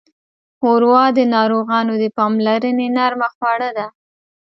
ښوروا د ناروغانو د پاملرنې نرمه خواړه ده.